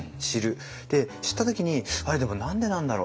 知った時にあれでも何でなんだろう？